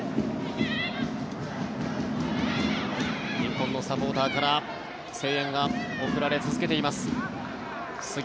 日本のサポーターから声援が送られ続けています。